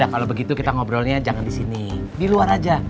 ya kalau begitu kita ngobrolnya jangan di sini di luar aja